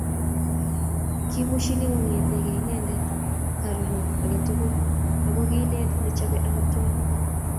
kimushini kongetei inendet karonet aketugul amu kiinendet nechopei amitwagik